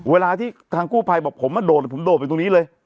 เวลาที่ทางกู้ภัยบอกผมมาโดดผมโดดไปตรงนี้เลย